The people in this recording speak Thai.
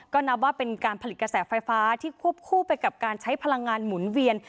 ก็นับว่าเป็นการผลิตกระแสไฟฟ้าที่ควบคู่ไปกับการใช้พลังงานหมุนเวียน